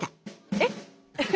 えっ？